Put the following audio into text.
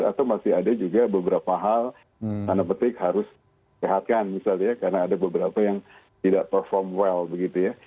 atau masih ada juga beberapa hal tanda petik harus sehatkan misalnya karena ada beberapa yang tidak perform well begitu ya